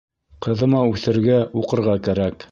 Ҡыҙыма үҫергә, уҡырға кәрәк.